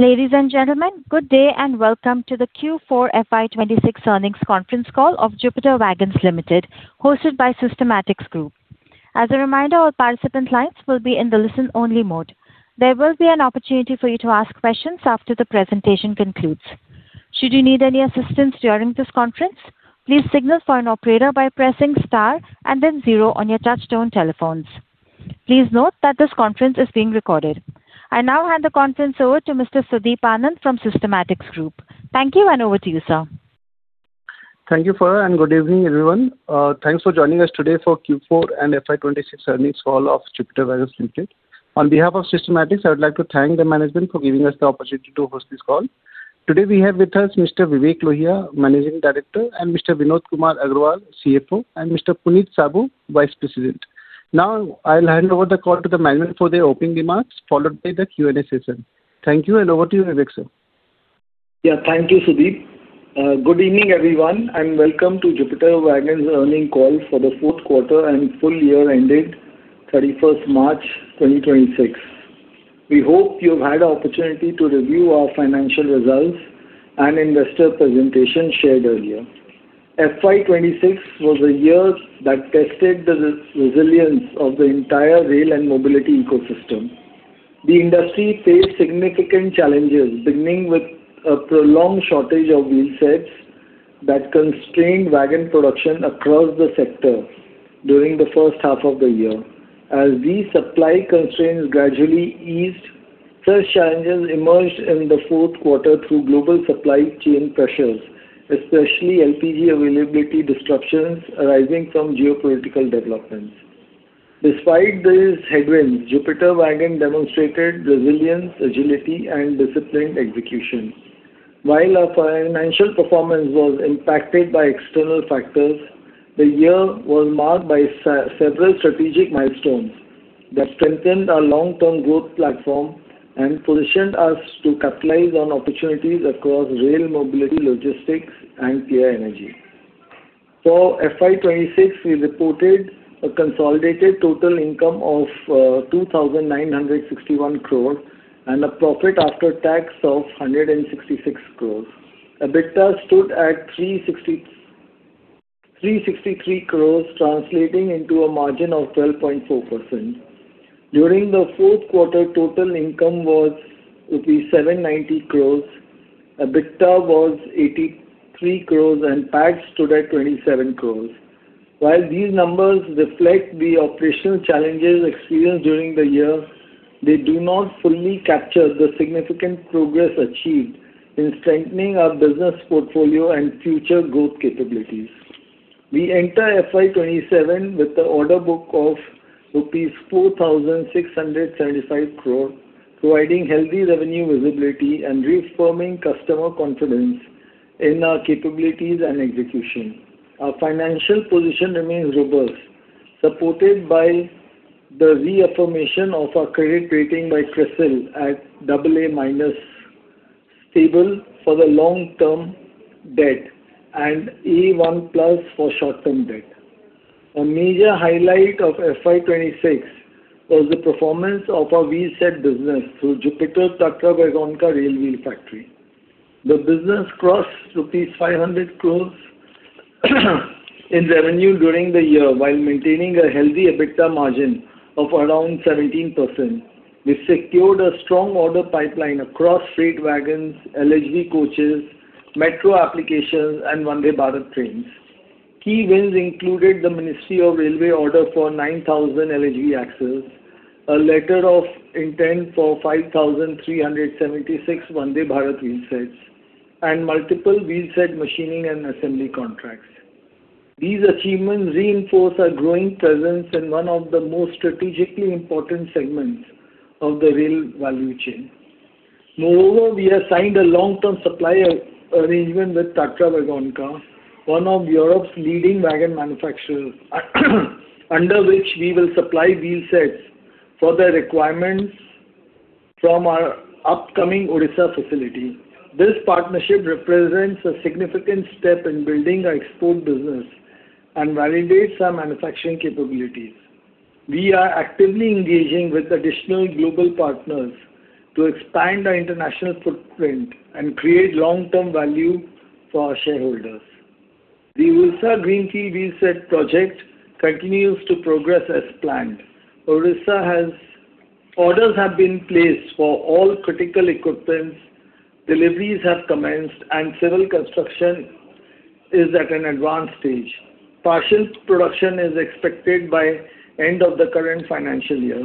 Ladies and gentlemen, good day and welcome to the Q4 FY 2026 earnings conference call of Jupiter Wagons Limited, hosted by Systematix Group. As a reminder, all participant lines will be in the listen-only mode. There will be an opportunity for you to ask questions after the presentation concludes. Should you need any assistance during this conference, please signal for an operator by pressing star and then zero on your touchtone telephones. Please note that this conference is being recorded. I now hand the conference over to Mr. Sudeep Anand from Systematix Group. Thank you, and over to you, sir. Thank you, Fara. Good evening, everyone. Thanks for joining us today for Q4 and FY 2026 earnings call of Jupiter Wagons Limited. On behalf of Systematix, I would like to thank the management for giving us the opportunity to host this call. Today we have with us Mr. Vivek Lohia, Managing Director, and Mr. Vinod Kumar Agarwal, CFO, and Mr. Puneet Saboo, Vice President. Now, I'll hand over the call to the management for their opening remarks, followed by the Q&A session. Thank you. Over to you, Vivek, sir. Yeah. Thank you, Sudeep. Good evening, everyone, and welcome to Jupiter Wagons earnings call for the fourth quarter and full year ended 31st March 2026. We hope you've had the opportunity to review our financial results and investor presentation shared earlier. FY 2026 was a year that tested the resilience of the entire rail and mobility ecosystem. The industry faced significant challenges, beginning with a prolonged shortage of wheel sets that constrained wagon production across the sector during the first half of the year. As these supply constraints gradually eased, fresh challenges emerged in the fourth quarter through global supply chain pressures, especially LPG availability disruptions arising from geopolitical developments. Despite these headwinds, Jupiter Wagons demonstrated resilience, agility and disciplined execution. While our financial performance was impacted by external factors, the year was marked by several strategic milestones that strengthened our long-term growth platform and positioned us to capitalize on opportunities across rail mobility, logistics and clean energy. For FY 2026, we reported a consolidated total income of 2,961 crore and a profit after tax of 166 crore. EBITDA stood at 363 crore, translating into a margin of 12.4%. During the fourth quarter, total income was rupees 790 crore, EBITDA was 83 crore, and PAT stood at 27 crore. While these numbers reflect the operational challenges experienced during the year, they do not fully capture the significant progress achieved in strengthening our business portfolio and future growth capabilities. We enter FY 2027 with the order book of rupees 4,675 crore, providing healthy revenue visibility and reaffirming customer confidence in our capabilities and execution. Our financial position remains robust, supported by the reaffirmation of our credit rating by CRISIL at AA- stable for the long-term debt and A1+ for short-term debt. A major highlight of FY 2026 was the performance of our wheel set business through Jupiter Tatravagónka Railwheel Factory. The business crossed rupees 500 crore in revenue during the year while maintaining a healthy EBITDA margin of around 17%. We secured a strong order pipeline across freight wagons, LHB coaches, metro applications and Vande Bharat trains. Key wins included the Ministry of Railways order for 9,000 LHB axles, a letter of intent for 5,376 Vande Bharat wheel sets, and multiple wheel set machining and assembly contracts. These achievements reinforce our growing presence in one of the most strategically important segments of the rail value chain. Moreover, we have signed a long-term supply arrangement with Tatravagónka, one of Europe's leading wagon manufacturers, under which we will supply wheel sets for their requirements from our upcoming Odisha facility. This partnership represents a significant step in building our export business and validates our manufacturing capabilities. We are actively engaging with additional global partners to expand our international footprint and create long-term value for our shareholders. The Odisha Greenfield wheel set project continues to progress as planned. Orders have been placed for all critical equipment, deliveries have commenced and civil construction is at an advanced stage. Partial production is expected by end of the current financial year,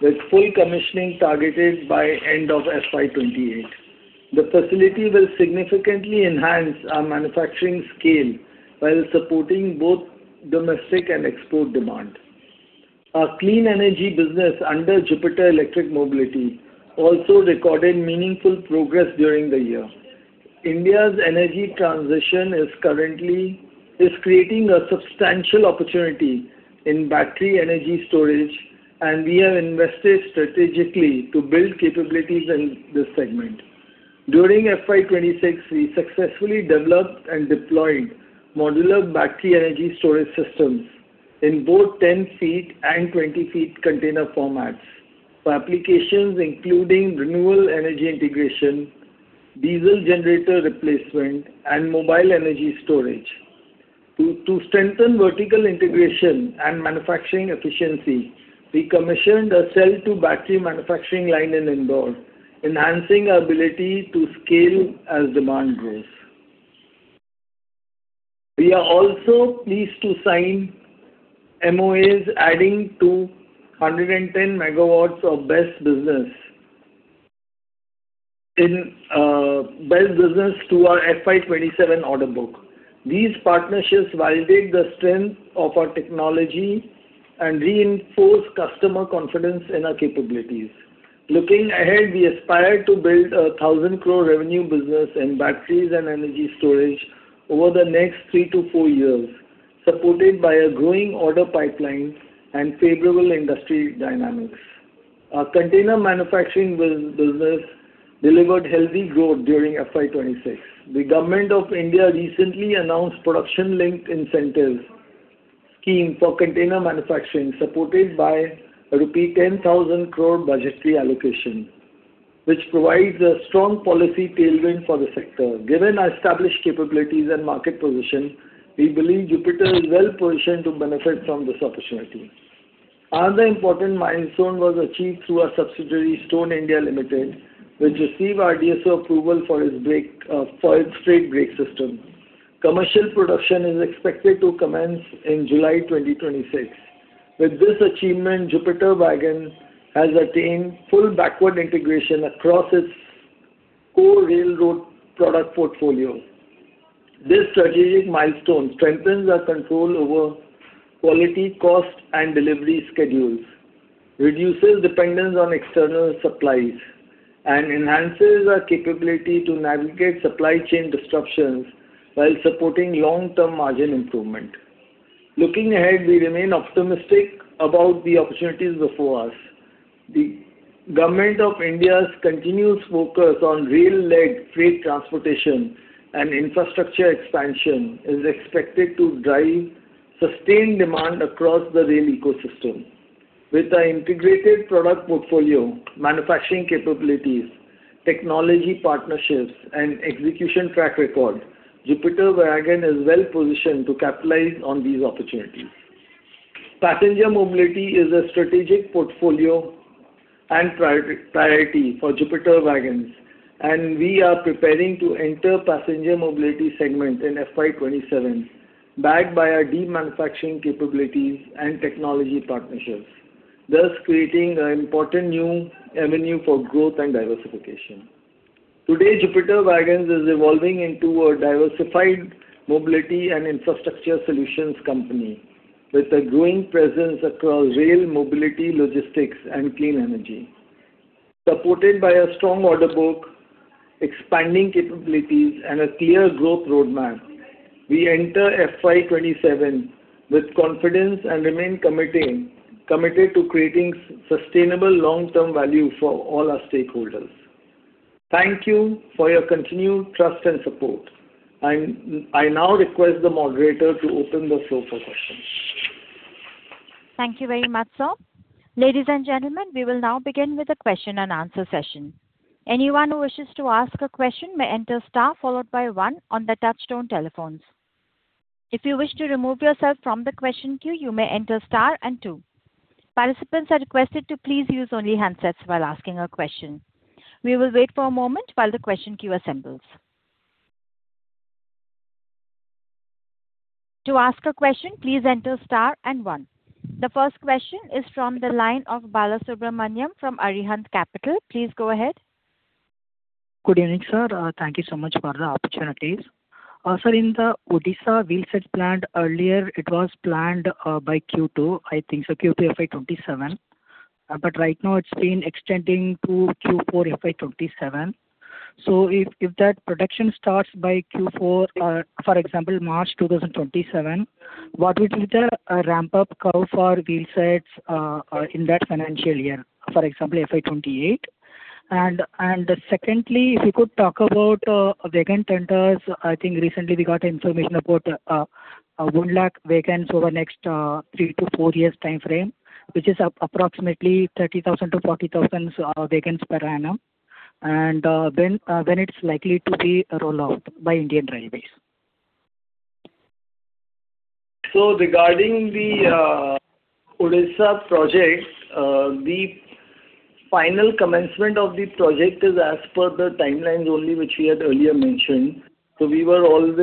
with full commissioning targeted by end of FY 2028. The facility will significantly enhance our manufacturing scale while supporting both domestic and export demand. Our clean energy business under Jupiter Electric Mobility also recorded meaningful progress during the year. India's energy transition is creating a substantial opportunity in battery energy storage, and we have invested strategically to build capabilities in this segment. During FY 2026, we successfully developed and deployed modular battery energy storage systems in both 10 ft and 20 ft container formats for applications including renewable energy integration, diesel generator replacement, and mobile energy storage. To strengthen vertical integration and manufacturing efficiency, we commissioned a cell-to-battery manufacturing line in Indore, enhancing our ability to scale as demand grows. We are also pleased to sign MoUs, adding to 110 MW of BESS business to our FY 2027 order book. These partnerships validate the strength of our technology and reinforce customer confidence in our capabilities. Looking ahead, we aspire to build a 1,000 crore revenue business in batteries and energy storage over the next three to four years, supported by a growing order pipeline and favorable industry dynamics. Our container manufacturing business delivered healthy growth during FY 2026. The government of India recently announced production-linked incentives scheme for container manufacturing, supported by a rupee 10,000 crore budgetary allocation, which provides a strong policy tailwind for the sector. Given our established capabilities and market position, we believe Jupiter is well-positioned to benefit from this opportunity. Another important milestone was achieved through our subsidiary, Stone India Limited, which received RDSO approval for its freight brake system. Commercial production is expected to commence in July 2026. With this achievement, Jupiter Wagons has attained full backward integration across its core railroad product portfolio. This strategic milestone strengthens our control over quality, cost, and delivery schedules, reduces dependence on external suppliers, and enhances our capability to navigate supply chain disruptions while supporting long-term margin improvement. Looking ahead, we remain optimistic about the opportunities before us. The Government of India's continuous focus on rail-led freight transportation and infrastructure expansion is expected to drive sustained demand across the rail ecosystem. With our integrated product portfolio, manufacturing capabilities, technology partnerships, and execution track record, Jupiter Wagons is well-positioned to capitalize on these opportunities. Passenger mobility is a strategic portfolio and priority for Jupiter Wagons, and we are preparing to enter passenger mobility segment in FY 2027, backed by our demanufacturing capabilities and technology partnerships, thus creating an important new avenue for growth and diversification. Today, Jupiter Wagons is evolving into a diversified mobility and infrastructure solutions company with a growing presence across rail, mobility, logistics, and clean energy. Supported by a strong order book, expanding capabilities, and a clear growth roadmap, we enter FY 2027 with confidence and remain committed to creating sustainable long-term value for all our stakeholders. Thank you for your continued trust and support. I now request the moderator to open the floor for questions. Thank you very much, sir. Ladies and gentlemen, we will now begin with the question and answer session. Anyone who wishes to ask a question may enter star followed by one on the touchtone telephones. If you wish to remove yourself from the question queue, you may enter star and two. Participants are requested to please use only handsets while asking a question. We will wait for a moment while the question queue assembles. To ask a question enter star and one. The first question is from the line of Balasubramanian from Arihant Capital. Please go ahead. Good evening, sir. Thank you so much for the opportunities. Sir, in the Odisha wheel set plant, earlier it was planned by Q2, I think. Q2 FY 2027. Right now it's been extending to Q4 FY 2027. If that production starts by Q4, for example, March 2027, what will be the ramp-up curve for wheel sets in that financial year, for example, FY 2028? Secondly, if you could talk about wagon tenders. I think recently we got information about 1 lakh wagons over the next three to four years timeframe, which is approximately 30,000 wagon-40,000 wagons per annum. When it's likely to be rolled out by Indian Railways. Regarding the Odisha project, the final commencement of the project is as per the timelines only which we had earlier mentioned. We were always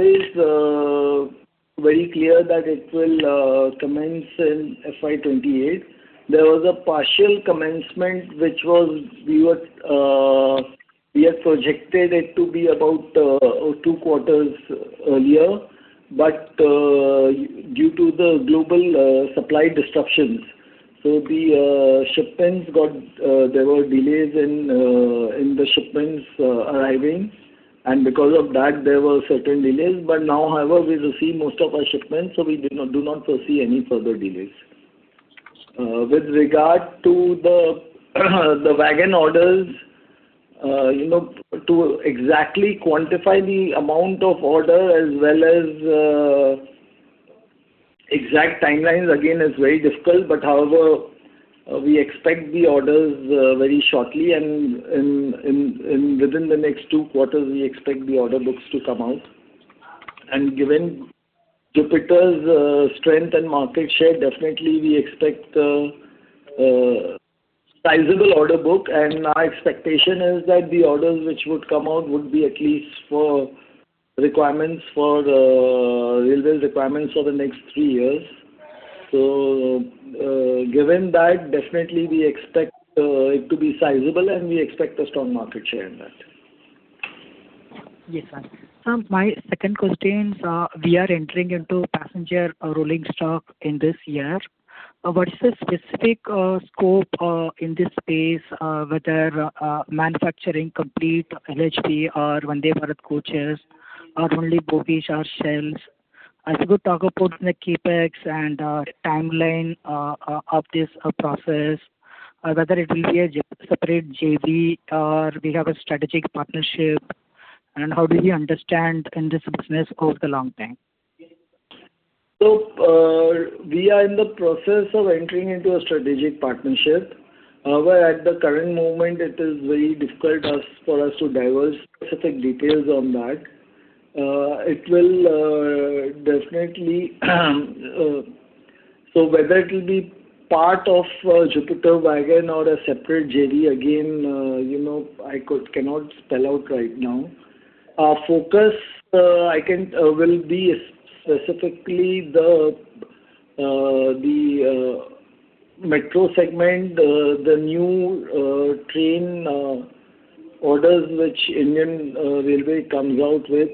very clear that it will commence in FY 2028. There was a partial commencement, which we had projected it to be about two quarters earlier. Due to the global supply disruptions, there were delays in the shipments arriving, and because of that, there were certain delays. Now, however, we receive most of our shipments, so we do not foresee any further delays. With regard to the wagon orders, to exactly quantify the amount of order as well as exact timelines, again, is very difficult. However, we expect the orders very shortly. Within the next two quarters, we expect the order books to come out. Given Jupiter's strength and market share, definitely we expect a sizable order book. Our expectation is that the orders which would come out would be at least for railway requirements for the next three years. Given that, definitely we expect it to be sizable, and we expect a strong market share in that. Yes, sir. Sir, my second question is, we are entering into passenger rolling stock in this year. What is the specific scope in this space, whether manufacturing complete LHB or Vande Bharat coaches or only bogies or shells? As you could talk about the CapEx and timeline of this process, whether it will be a separate JV or we have a strategic partnership, and how do we understand in this business over the long term? We are in the process of entering into a strategic partnership. However, at the current moment, it is very difficult for us to divulge specific details on that. Whether it'll be part of Jupiter Wagons or a separate JV, again, I cannot spell out right now. Our focus will be specifically the metro segment, the new train orders which Indian Railways comes out with,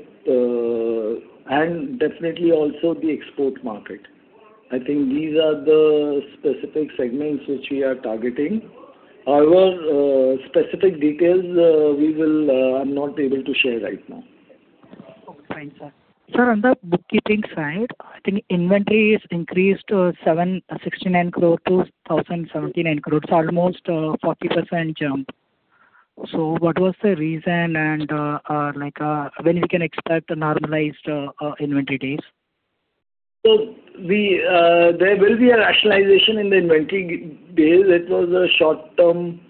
and definitely also the export market. I think these are the specific segments which we are targeting. However, specific details, I'm not able to share right now. Okay, fine sir. Sir, on the bookkeeping side, I think inventory has increased 769 crore-1,079 crore. It's almost a 40% jump. What was the reason, and when we can expect normalized inventory days? There will be a rationalization in the inventory days. It was a short term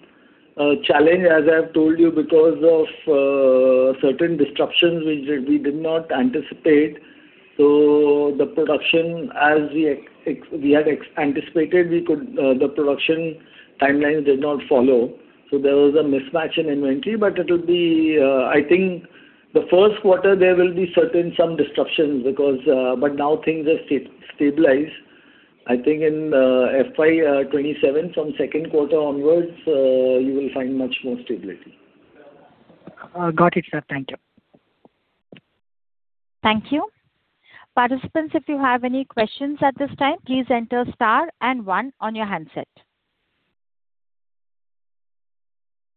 challenge, as I have told you, because of certain disruptions which we did not anticipate. The production, as we had anticipated, the production timelines did not follow. There was a mismatch in inventory. I think the first quarter, there will be certain some disruptions. Now things have stabilized. I think in FY 2027, from second quarter onwards, you will find much more stability. Got it, sir. Thank you. Thank you. Participants, if you have any questions at this time, please enter star and one on your handset.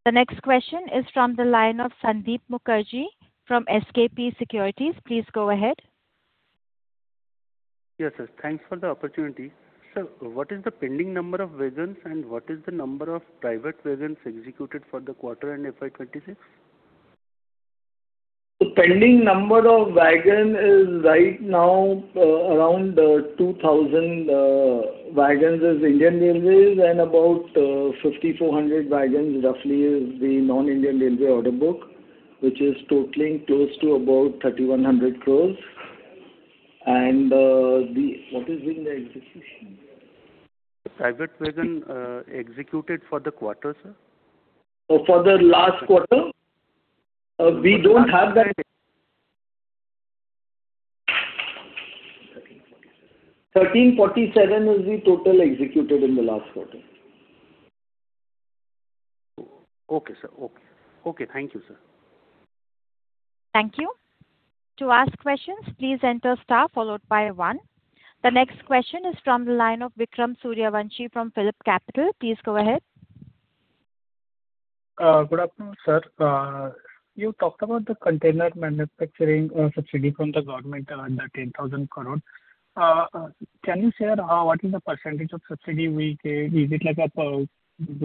The next question is from the line of Sandip Mukherjee from SKP Securities. Please go ahead. Yes, sir. Thanks for the opportunity. Sir, what is the pending number of wagons, and what is the number of private wagons executed for the quarter and FY 2026? The pending number of wagon is right now around 2,000 wagons is Indian Railways, about 5,400 wagons roughly is the non-Indian Railway order book, which is totaling close to about 3,100 crores. What is in the execution? Private wagon executed for the quarter, sir. Oh, for the last quarter? We don't have that. 1347 wagons is the total executed in the last quarter. Okay, sir. Okay. Thank you, sir. Thank you. To ask questions, please enter star followed by one. The next question is from the line of Vikram Suryavanshi from PhillipCapital. Please go ahead. Good afternoon, sir. You talked about the container manufacturing subsidy from the government under 10,000 crore. Can you share what is the percentage of subsidy we get? Is it like a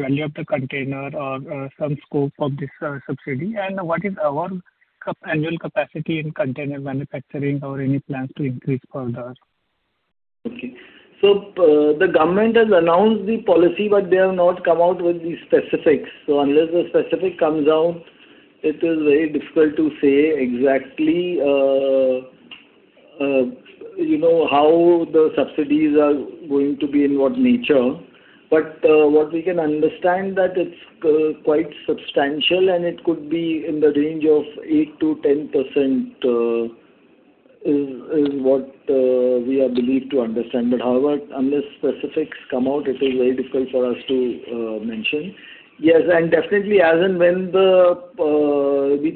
value of the container or some scope of this subsidy? What is our annual capacity in container manufacturing, or any plans to increase further? Okay. The government has announced the policy, but they have not come out with the specifics. Unless the specific comes out, it is very difficult to say exactly how the subsidies are going to be, in what nature. What we can understand, that it's quite substantial, and it could be in the range of 8%-10%, is what we are believed to understand. However, unless specifics come out, it is very difficult for us to mention. Yes, definitely as and when the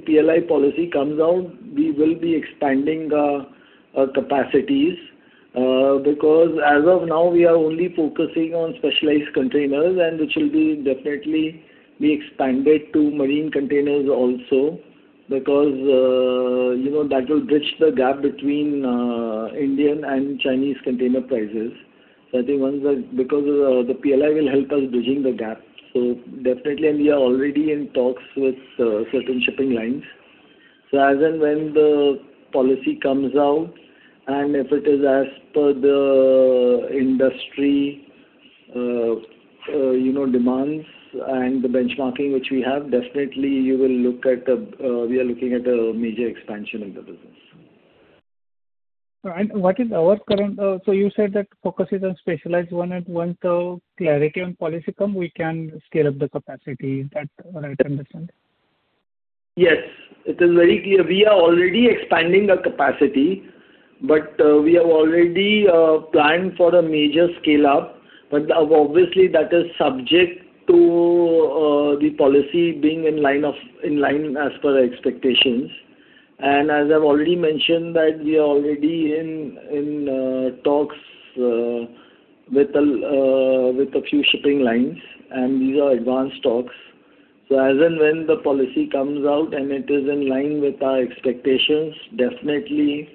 PLI policy comes out, we will be expanding our capacities. As of now, we are only focusing on specialized containers, and which will definitely be expanded to marine containers also. That will bridge the gap between Indian and Chinese container prices. I think because the PLI will help us bridging the gap. Definitely, and we are already in talks with certain shipping lines. As and when the policy comes out, and if it is as per the industry demands and the benchmarking which we have, definitely, we are looking at a major expansion in the business. All right. You said that focus is on specialized one and once clarity on policy come, we can scale up the capacity. Is that right, I understand? Yes. It is very clear. We are already expanding our capacity, but we have already planned for a major scale up. Obviously, that is subject to the policy being in line as per our expectations. As I've already mentioned that we are already in talks with a few shipping lines, and these are advanced talks. As and when the policy comes out and it is in line with our expectations, definitely,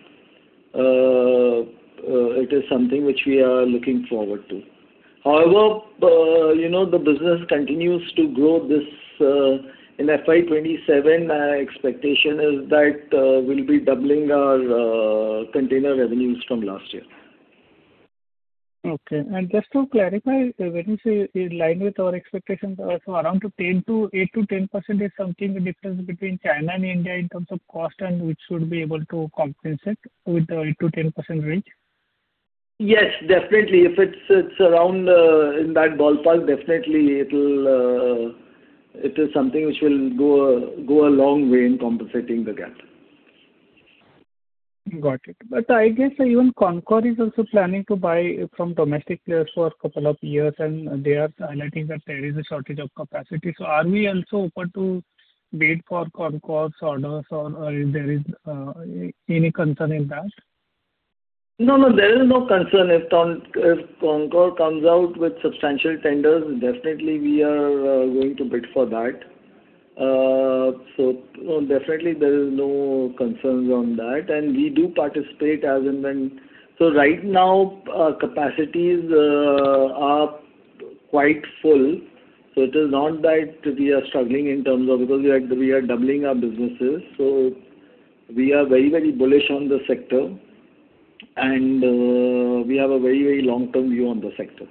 it is something which we are looking forward to. However, the business continues to grow. In FY 2027, our expectation is that we'll be doubling our container revenues from last year. Okay. Just to clarify, when you say in line with our expectations, around 8%-10% is something the difference between China and India in terms of cost and which should be able to compensate with the 8%-10% range? Yes, definitely. If it's around in that ballpark, definitely, it is something which will go a long way in compensating the gap. Got it. I guess even CONCOR is also planning to buy from domestic players for a couple of years, and they are highlighting that there is a shortage of capacity. Are we also open to bid for CONCOR's orders or there is any concern in that? No, no, there is no concern. If CONCOR comes out with substantial tenders, definitely we are going to bid for that. Definitely there is no concerns on that. We do participate as and when. Right now, our capacities are quite full. It is not that we are struggling in terms of, because we are doubling our businesses. We are very bullish on the sector and we have a very long-term view on the sector.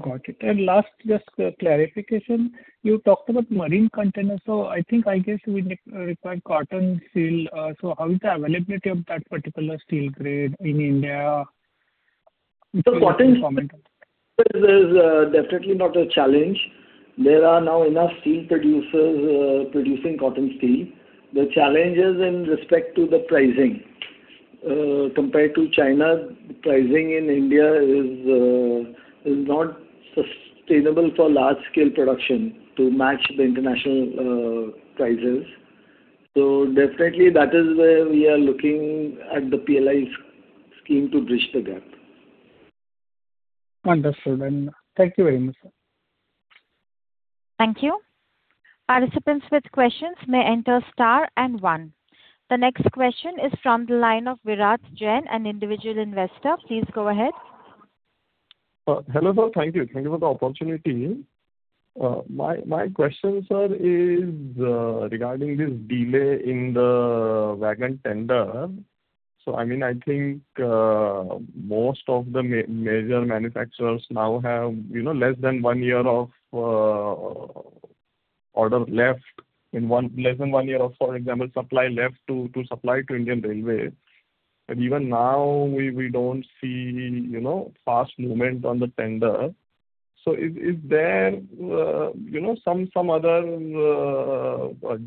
Got it. Last, just clarification. You talked about marine containers. I think, I guess you will require Corten steel. How is the availability of that particular steel grade in India? The Corten steel is definitely not a challenge. There are now enough steel producers producing Corten steel. The challenge is in respect to the pricing. Compared to China, pricing in India is not sustainable for large scale production to match the international prices. Definitely that is where we are looking at the PLI scheme to bridge the gap. Understood. Thank you very much, sir. Thank you. Participants with questions may enter star and one. The next question is from the line of Virat Jain, an individual investor. Please go ahead. Hello, sir. Thank you. Thank you for the opportunity. My question, sir, is regarding this delay in the wagon tender. I mean, I think most of the major manufacturers now have less than one year of order left, less than one year of, for example, supply left to supply to Indian Railways. Even now we don't see fast movement on the tender. Is there some other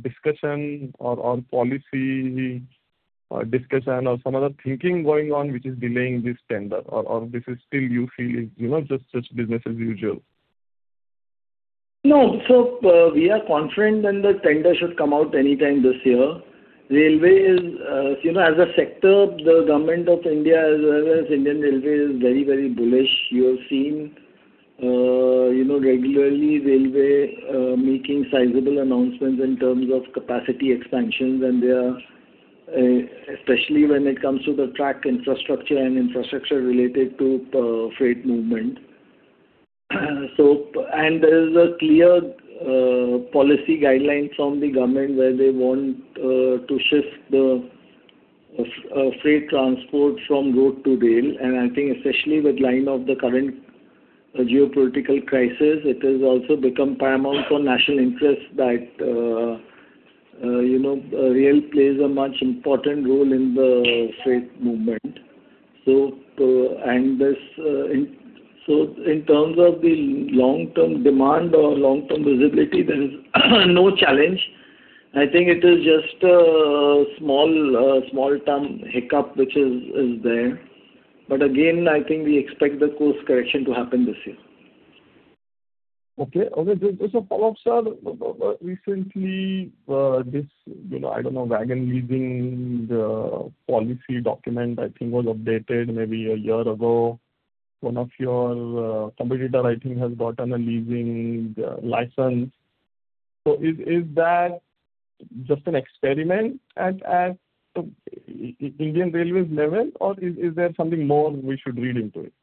discussion or policy discussion or some other thinking going on which is delaying this tender? This is still you feel is just business as usual? No. We are confident that the tender should come out any time this year. Railway is, as a sector, the Government of India, as well as Indian Railways is very bullish. You have seen regularly railways making sizable announcements in terms of capacity expansions, especially when it comes to the track infrastructure and infrastructure related to freight movement. There is a clear policy guideline from the government where they want to shift the freight transport from road to rail. I think especially with line of the current geopolitical crisis, it has also become paramount for national interest that rail plays a much important role in the freight movement. In terms of the long-term demand or long-term visibility, there is no challenge. I think it is just a small-term hiccup which is there. Again, I think we expect the course correction to happen this year. Okay. Just a follow-up, sir. Recently, this, I don't know, wagon leasing policy document I think was updated maybe a year ago. One of your competitor, I think, has gotten a leasing license. Is that just an experiment at Indian Railways level, or is there something more we should read into it?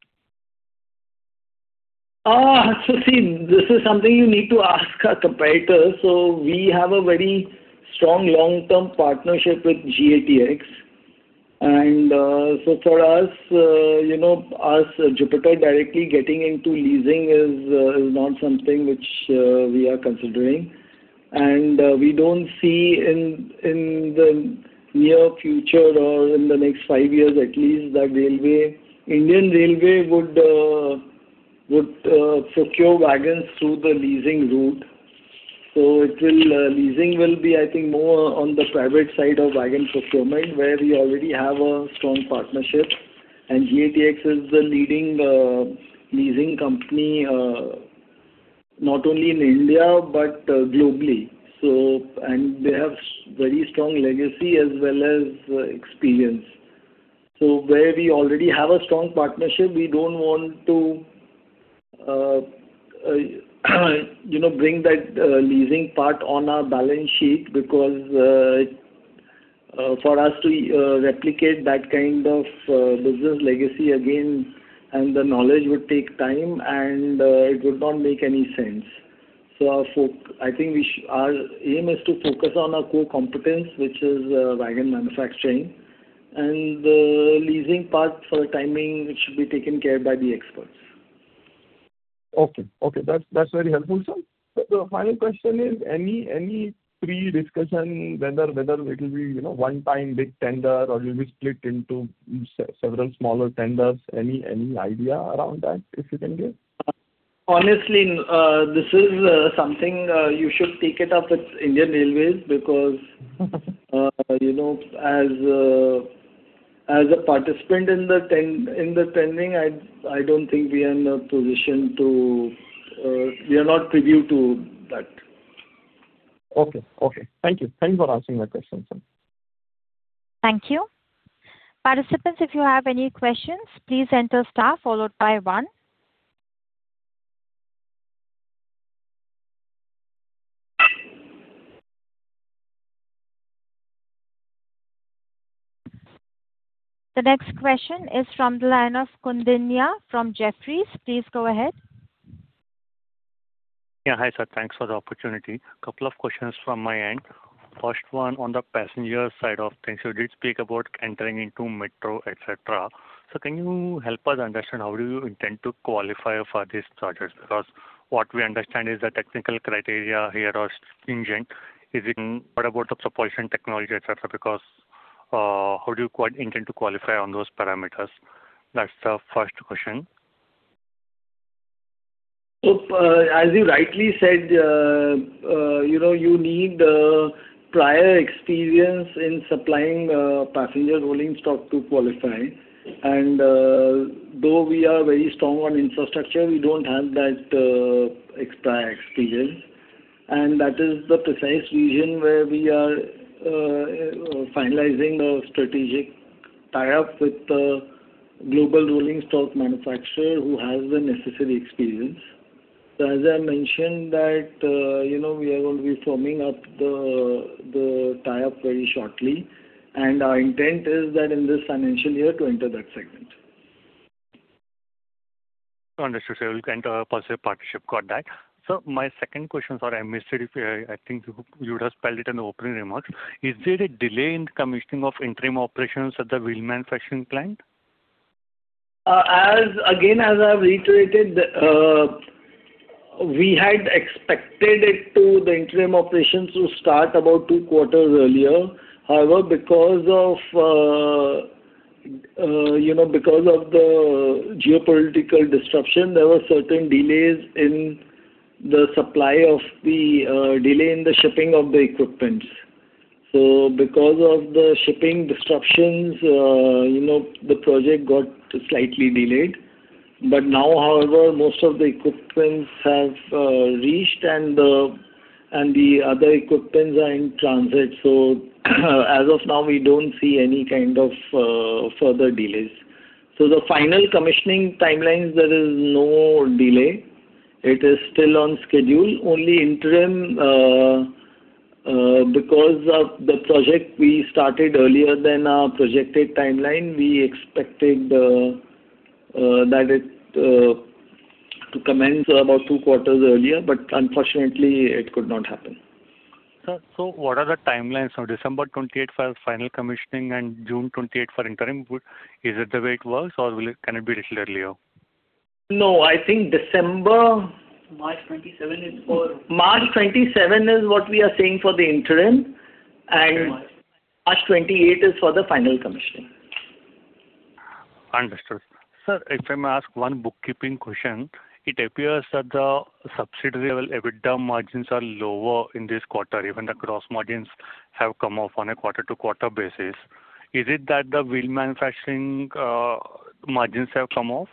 See, this is something you need to ask our competitors. We have a very strong long-term partnership with GATX. For us, Jupiter directly getting into leasing is not something which we are considering. We don't see in the near future or in the next five years at least, that Indian Railways would secure wagons through the leasing route. Leasing will be, I think, more on the private side of wagon procurement, where we already have a strong partnership. GATX is the leading leasing company, not only in India but globally. They have very strong legacy as well as experience. Where we already have a strong partnership, we don't want to bring that leasing part on our balance sheet because for us to replicate that kind of business legacy again and the knowledge would take time, and it would not make any sense. I think our aim is to focus on our core competence, which is wagon manufacturing, and the leasing part for the time being should be taken care of by the experts. Okay. That's very helpful, sir. The final question is, any pre-discussion whether it will be one time big tender or it will be split into several smaller tenders? Any idea around that, if you can give? Honestly, this is something you should take it up with Indian Railways because as a participant in the tendering, I don't think we are in a position to. We are not privy to that. Okay. Thank you. Thank you for answering my question, sir. Thank you. Participants, if you have any questions, please enter star followed by one. The next question is from the line of Kunde Nya from Jefferies. Please go ahead. Yeah. Hi, sir. Thanks for the opportunity. Couple of questions from my end. First one, on the passenger side of things, you did speak about entering into metro, et cetera. Can you help us understand how do you intend to qualify for these charters? What we understand is the technical criteria here are stringent. What about the propulsion technology, et cetera? How do you intend to qualify on those parameters? That's the first question. Look, as you rightly said, you need prior experience in supplying passenger rolling stock to qualify. Though we are very strong on infrastructure, we don't have that prior experience. That is the precise reason where we are finalizing a strategic tie-up with a global rolling stock manufacturer who has the necessary experience. As I mentioned that we are going to be firming up the tie-up very shortly, and our intent is that in this financial year to enter that segment. Understood, sir. You will enter a possible partnership. Got that. Sir, my second question, sorry, I missed it. I think you would have spelled it in the opening remarks. Is there a delay in commissioning of interim operations at the wheel manufacturing plant? Again, as I've reiterated, we had expected it to the interim operations to start about two quarters earlier. Because of the geopolitical disruption, there were certain delays in the supply of Delay in the shipping of the equipment. Because of the shipping disruptions, the project got slightly delayed. Now, however, most of the equipment has reached, and the other equipment are in transit. As of now, we don't see any kind of further delays. The final commissioning timelines, there is no delay. It is still on schedule. Only interim because of the project we started earlier than our projected timeline, we expected that it to commence about two quarters earlier, but unfortunately, it could not happen. Sir, what are the timelines now? December 28th for final commissioning and June 28th for interim. Is it the way it works, or can it be a little earlier? No, I think December- March 27 is. March 27 is what we are saying for the interim and March 28 is for the final commissioning. Understood. Sir, if I may ask one bookkeeping question. It appears that the subsidiary level EBITDA margins are lower in this quarter. Even the gross margins have come off on a quarter-to-quarter basis. Is it that the wheel manufacturing margins have come off?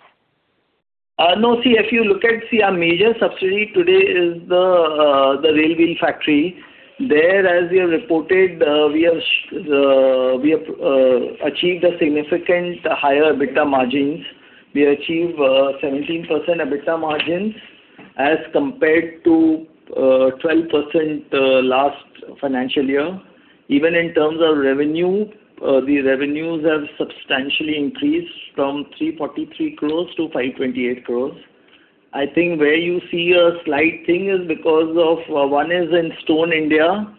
No. If you look at our major subsidiary today is the Railwheel Factory. There, as we have reported, we have achieved a significant higher EBITDA margins. We achieved 17% EBITDA margins as compared to 12% last financial year. Even in terms of revenue, the revenues have substantially increased from 343 crores-528 crore. I think where you see a slight thing is because of, one is in Stone India,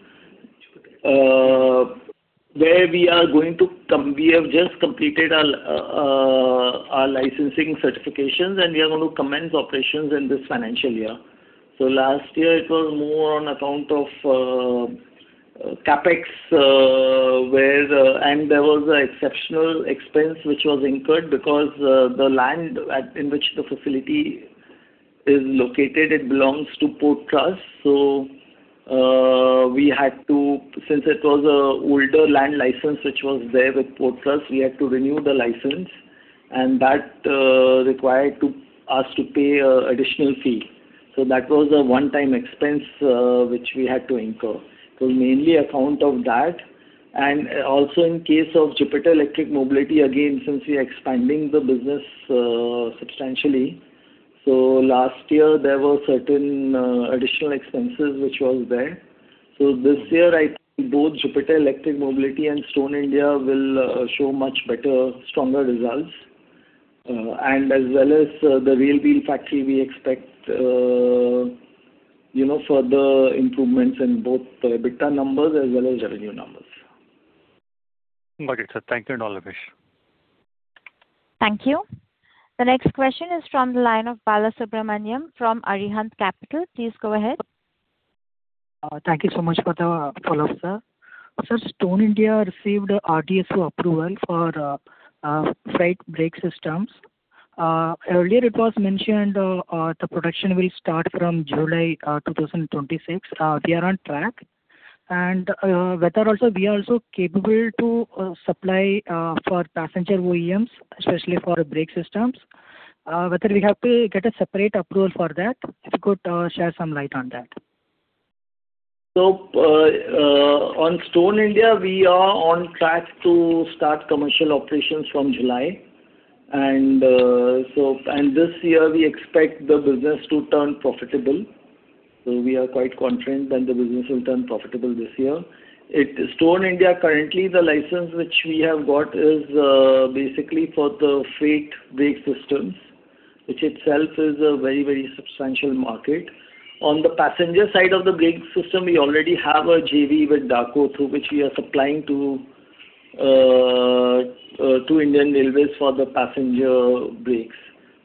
where we have just completed our licensing certifications, and we are going to commence operations in this financial year. Last year it was more on account of CapEx, and there was an exceptional expense which was incurred because the land in which the facility is located, it belongs to Port Trust. Since it was an older land license which was there with Port Trust, we had to renew the license, and that required us to pay additional fee. That was a one-time expense which we had to incur. It was mainly account of that. In case of Jupiter Electric Mobility, again, since we are expanding the business substantially, last year there were certain additional expenses which was there. This year, I think both Jupiter Electric Mobility and Stone India will show much better, stronger results. As well as the Railwheel Factory, we expect further improvements in both the EBITDA numbers as well as revenue numbers. Got it, sir. Thank you. All the best. Thank you. The next question is from the line of Balasubramanian from Arihant Capital. Please go ahead. Thank you so much for the follow-up, sir. Sir, Stone India received RDSO approval for freight brake systems. Earlier it was mentioned the production will start from July 2026. We are on track. Whether we are also capable to supply for passenger OEMs, especially for brake systems, whether we have to get a separate approval for that? If you could share some light on that. On Stone India, we are on track to start commercial operations from July. This year we expect the business to turn profitable. We are quite confident that the business will turn profitable this year. Stone India, currently, the license which we have got is basically for the freight brake systems, which itself is a very substantial market. On the passenger side of the brake system, we already have a JV with DAKO-CZ through which we are supplying to Indian Railways for the passenger brakes.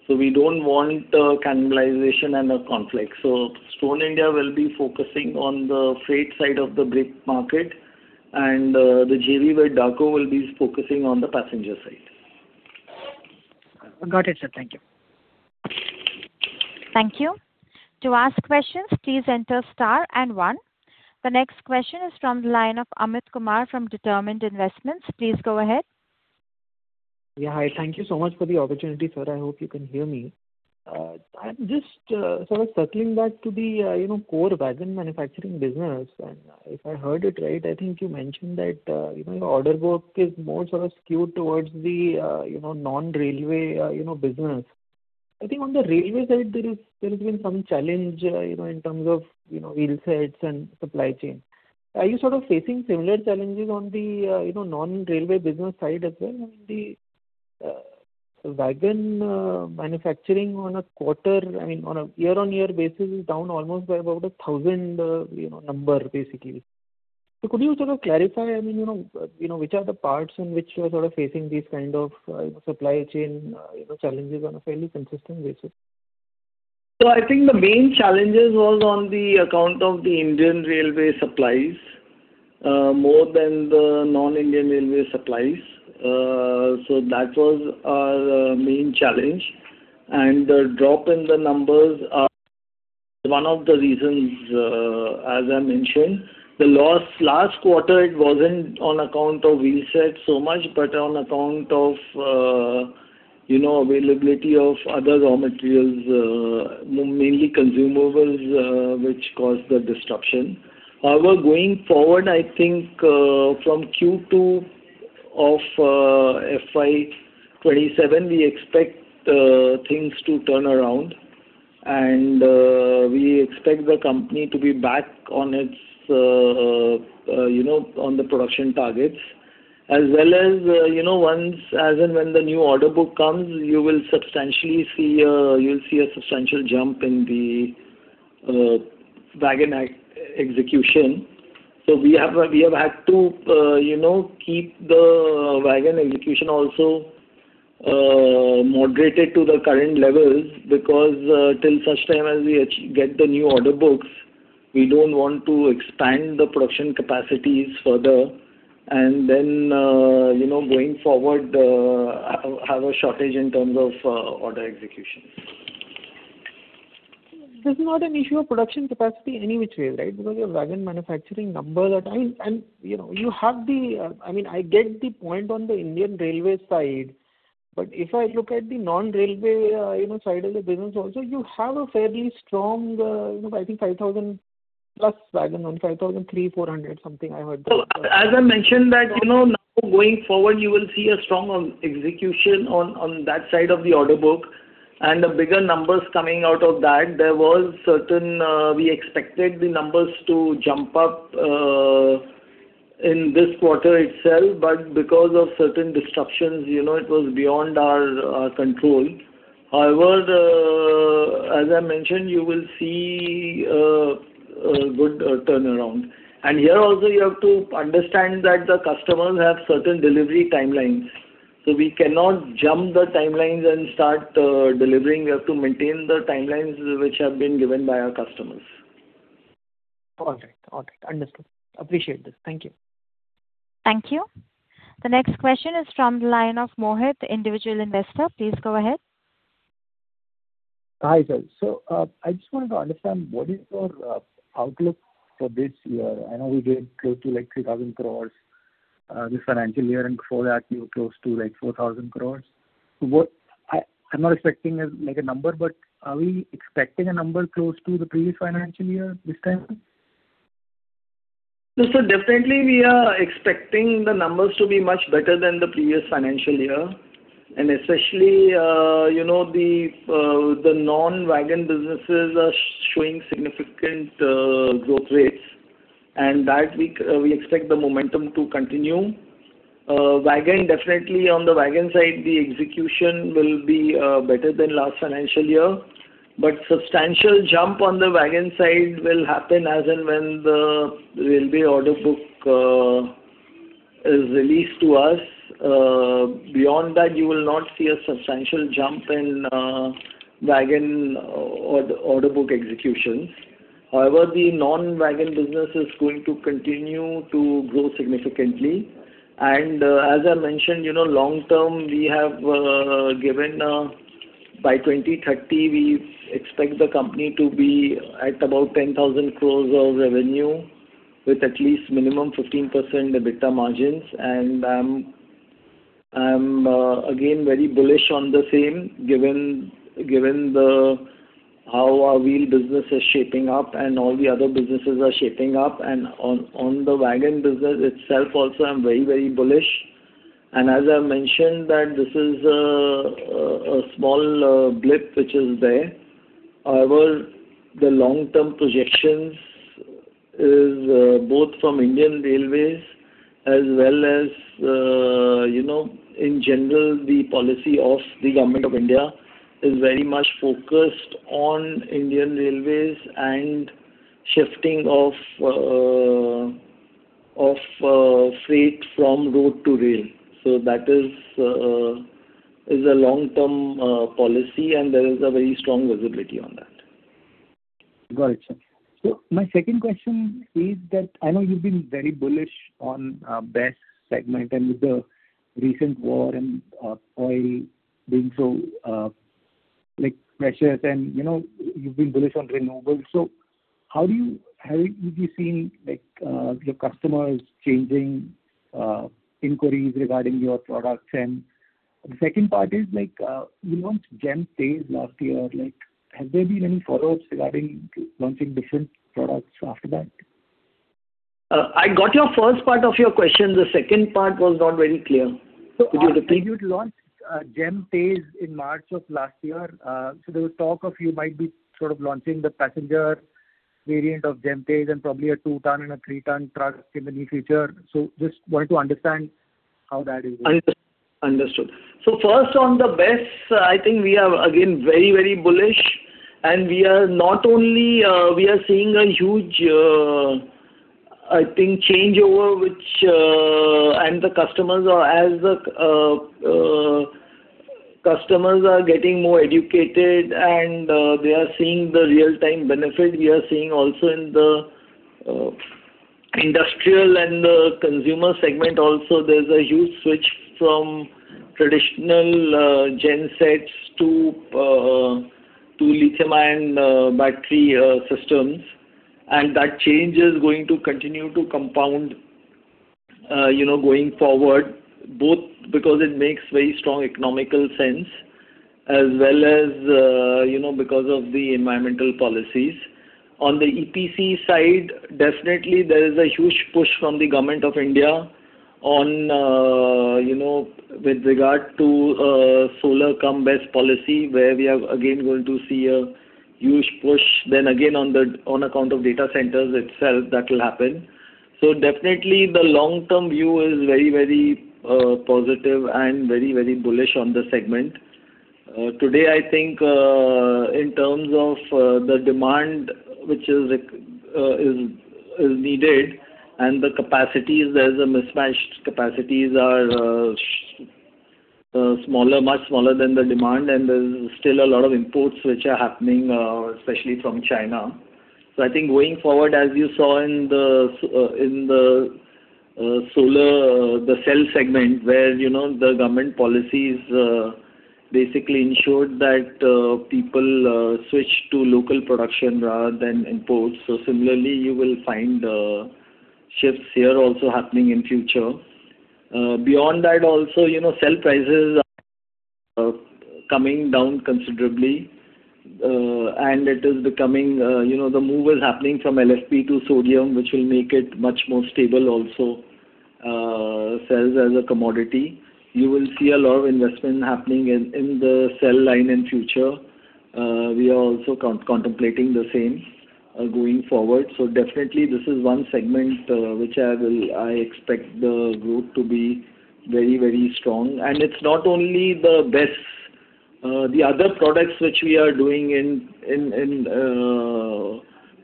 We don't want cannibalization and a conflict. Stone India will be focusing on the freight side of the brake market, and the JV with DAKO-CZ will be focusing on the passenger side. Got it, sir. Thank you. Thank you. To ask a question please enter star and one. The next question is from the line of Amit Kumar from Determined Investments. Please go ahead. Yeah. Hi. Thank you so much for the opportunity, sir. I hope you can hear me. I'm just sort of circling back to the core wagon manufacturing business. If I heard it right, I think you mentioned that your order book is more sort of skewed towards the non-railway business. I think on the railway side, there has been some challenge in terms of wheelsets and supply chain. Are you sort of facing similar challenges on the non-railway business side as well? I mean, the wagon manufacturing on a year-on-year basis is down almost by about 1,000 number, basically. Could you sort of clarify, which are the parts in which you are sort of facing these kind of supply chain challenges on a fairly consistent basis? I think the main challenges was on the account of the Indian Railways supplies more than the non-Indian Railways supplies. That was our main challenge. The drop in the numbers are one of the reasons as I mentioned. The last quarter, it wasn't on account of wheelsets so much, but on account of availability of other raw materials, mainly consumables which caused the disruption. However, going forward, I think from Q2 of FY 2027, we expect things to turn around, and we expect the company to be back on the production targets. As well as, when the new order book comes, you'll see a substantial jump in the wagon execution. We have had to keep the wagon execution also moderated to the current levels because till such time as we get the new order books, we don't want to expand the production capacities further, and then going forward, have a shortage in terms of order execution. This is not an issue of production capacity any which way, right? Your wagon manufacturing number I get the point on the Indian Railways side, but if I look at the non-railway side of the business also, you have a fairly strong, I think 5,000+ wagon, 5,300, 5,400, something I heard. As I mentioned that now going forward, you will see a strong execution on that side of the order book and the bigger numbers coming out of that. We expected the numbers to jump up in this quarter itself, but because of certain disruptions, it was beyond our control. However, as I mentioned, you will see a good turnaround. Here also, you have to understand that the customers have certain delivery timelines. We cannot jump the timelines and start delivering. We have to maintain the timelines which have been given by our customers. Okay. Understood. Appreciate this. Thank you. Thank you. The next question is from the line of Mohit, Individual Investor. Please go ahead. Hi, sir. I just wanted to understand what is your outlook for this year. I know we did close to 3,000 crore this financial year, and before that you were close to 4,000 crore. I'm not expecting like a number, but are we expecting a number close to the previous financial year this time? No, definitely we are expecting the numbers to be much better than the previous financial year. Especially, the non-wagon businesses are showing significant growth rates, and that we expect the momentum to continue. Definitely on the wagon side, the execution will be better than last financial year, but substantial jump on the wagon side will happen as and when the railway order book is released to us. Beyond that, you will not see a substantial jump in wagon order book executions. However, the non-wagon business is going to continue to grow significantly. As I mentioned, long term, by 2030, we expect the company to be at about 10,000 crore of revenue with at least minimum 15% EBITDA margins. I'm again very bullish on the same given how our wheel business is shaping up and all the other businesses are shaping up. On the wagon business itself also, I'm very bullish. As I mentioned that this is a small blip which is there. However, the long-term projections is both from Indian Railways as well as, in general, the policy of the Government of India is very much focused on Indian Railways and shifting of freight from road to rail. That is a long-term policy, and there is a very strong visibility on that. Got it, sir. My second question is that I know you've been very bullish on BESS segment and with the recent war and oil being so pressured and you've been bullish on renewable. Have you seen your customers changing inquiries regarding your products? The second part is, you launched JEM TEZ last year. Has there been any follow-ups regarding launching different products after that? I got your first part of your question. The second part was not very clear. Could you repeat? I think you had launched JEM TEZ in March of last year. There was talk of you might be sort of launching the passenger variant of JEM TEZ and probably a 2-ton and a 3-ton truck in the near future. Just wanted to understand how that is going. Understood. First on the BESS, I think we are again very bullish, and we are seeing a huge, I think, changeover. The customers are getting more educated, and they are seeing the real-time benefit. We are seeing also in the industrial and the consumer segment also, there's a huge switch from traditional gen sets to lithium-ion battery systems. That change is going to continue to compound going forward, both because it makes very strong economical sense as well as because of the environmental policies. On the EPC side, definitely there is a huge push from the Government of India with regard to solar cum BESS policy, where we are again going to see a huge push, then again on account of data centers itself, that will happen. Definitely the long-term view is very positive and very bullish on the segment. Today, I think, in terms of the demand which is needed and the capacities, there's a mismatch. Capacities are much smaller than the demand, there's still a lot of imports which are happening, especially from China. I think going forward, as you saw in the solar, the cell segment where the government policies basically ensured that people switch to local production rather than imports. Similarly, you will find shifts here also happening in future. Beyond that, also, cell prices are coming down considerably, the move is happening from LFP to sodium, which will make it much more stable also, cells as a commodity. You will see a lot of investment happening in the cell line in future. We are also contemplating the same going forward. Definitely, this is one segment which I expect the group to be very strong. It's not only the BESS, the other products which we are doing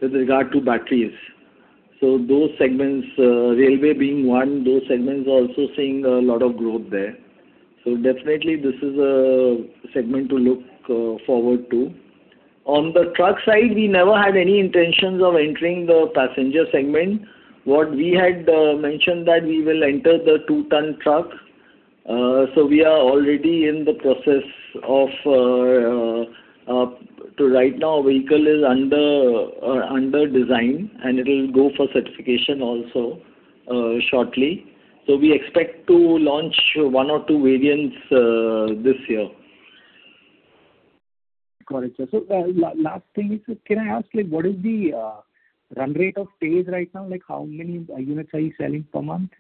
with regard to batteries. Those segments, railway being one, those segments are also seeing a lot of growth there. Definitely, this is a segment to look forward to. On the truck side, we never had any intentions of entering the passenger segment. What we had mentioned that we will enter the 2-ton truck. We are already in the process of right now vehicle is under design, and it will go for certification also shortly. We expect to launch one or two variants this year. Got it, sir. Last thing is, can I ask, what is the run rate of TEZ right now? How many units are you selling per month?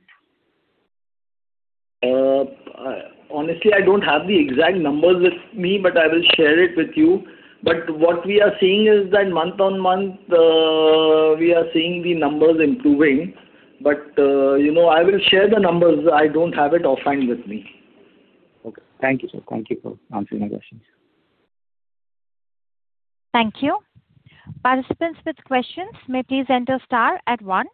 Honestly, I don't have the exact numbers with me, but I will share it with you. What we are seeing is that month-on-month, we are seeing the numbers improving. I will share the numbers. I don't have it offline with me. Okay. Thank you, sir. Thank you for answering my questions. Thank you. Participants with questions may please enter star at one.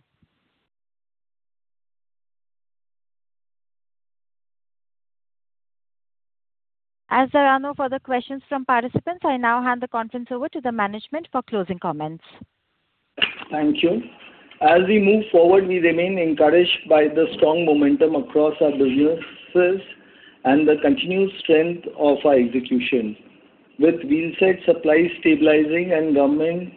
As there are no further questions from participants, I now hand the conference over to the management for closing comments. Thank you. As we move forward, we remain encouraged by the strong momentum across our businesses and the continued strength of our execution. With wheelset supply stabilizing and government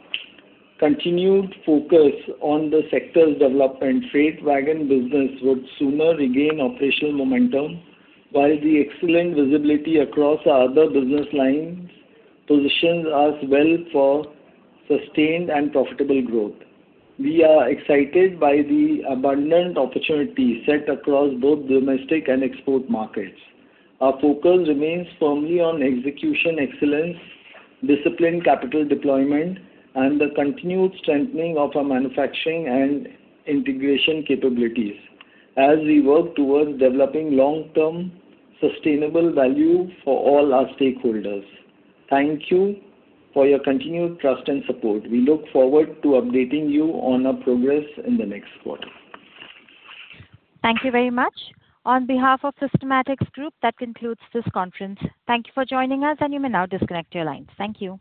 continued focus on the sector's development, freight wagon business would sooner regain operational momentum, while the excellent visibility across our other business lines positions us well for sustained and profitable growth. We are excited by the abundant opportunities set across both domestic and export markets. Our focus remains firmly on execution excellence, disciplined capital deployment, and the continued strengthening of our manufacturing and integration capabilities as we work towards developing long-term sustainable value for all our stakeholders. Thank you for your continued trust and support. We look forward to updating you on our progress in the next quarter. Thank you very much. On behalf of Systematix Group, that concludes this conference. Thank you for joining us, and you may now disconnect your lines. Thank you.